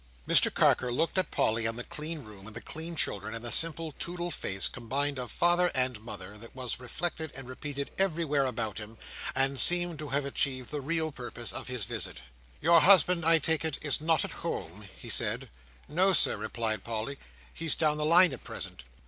Mr Carker looked at Polly, and the clean room, and the clean children, and the simple Toodle face, combined of father and mother, that was reflected and repeated everywhere about him—and seemed to have achieved the real purpose of his visit. "Your husband, I take it, is not at home?" he said. "No, Sir," replied Polly. "He's down the line at present."